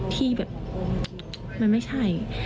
ที่แบบมันไม่ใช่